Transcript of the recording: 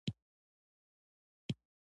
دا د اسلامي ټولنې نښه ده.